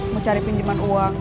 mau cari pinjeman uang